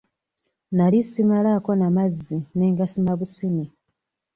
Nali simalaako na mazzi ne ngasima busimi.